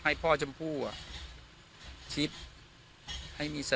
วันนี้ก็จะเป็นสวัสดีครับ